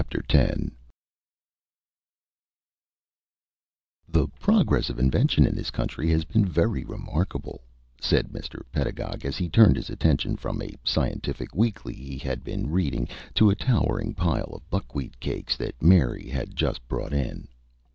X "The progress of invention in this country has been very remarkable," said Mr. Pedagog, as he turned his attention from a scientific weekly he had been reading to a towering pile of buckwheat cakes that Mary had just brought in.